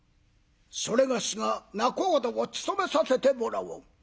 それがしが仲人を務めさせてもらおう」。